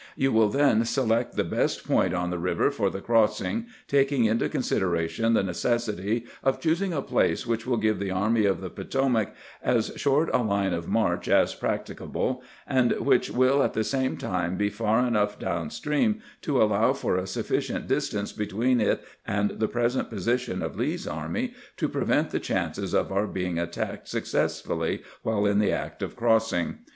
You will then select the best point on the river for the cross ing, taking into consideration the necessity of choosing a place which will give the Army of the Potomac as short a line of march as practicable, and which will at the same time be far enough down stream to allow for a sufficient distance between it and the present position of Lee's army to prevent the chances of our being at tacked successfully while in the act of crossing.